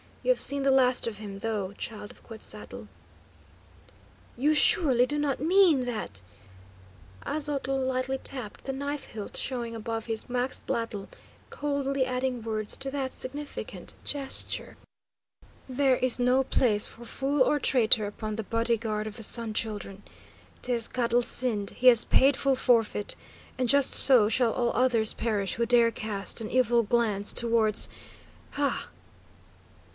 You have seen the last of him, though, Child of Quetzal'l." "You surely do not mean that " Aztotl lightly tapped the knife hilt showing above his maxtlatl, coldly adding words to that significant gesture: "There is no place for fool or traitor upon the body guard of the Sun Children. Tezcatl sinned; he has paid full forfeit. And just so shall all others perish who dare cast an evil glance towards ha!"